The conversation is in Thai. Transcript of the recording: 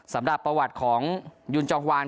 สำหรับประวัติของยุนจองวาน